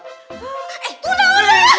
eh itu udah udah ya